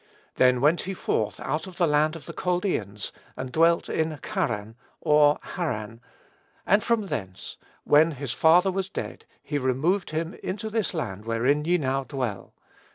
Then went he forth out of the land of the Chaldeans, and dwelt in Charran, (or Haran;) and from thence, when his father was dead, he removed him into this land wherein ye now dwell."